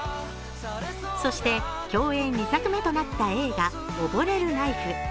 そして共演２作目となった映画「溺れるナイフ」。